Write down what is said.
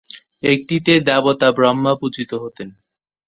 একটিতে দেবতা ব্রহ্মা পূজিত হতেন।